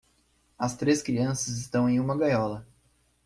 As três crianças estão em uma gaiola.